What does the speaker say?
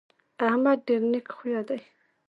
احمد ډېر نېک خویه دی.